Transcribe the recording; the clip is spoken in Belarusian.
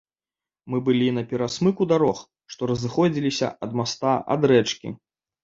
Мы былі на пярэсмыку дарог, што разыходзіліся ад моста, ад рэчкі.